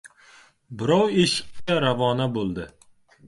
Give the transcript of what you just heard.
Birov eshikka ravona bo‘ldi!